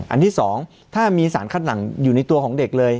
อันที่๒ถ้ามีสารคัดหลังอยู่ในตัวของเด็กเลย